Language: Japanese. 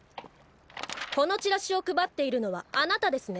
このチラシを配っているのはあなたですね？